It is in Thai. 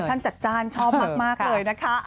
จัดจ้านชอบมากเลยนะคะ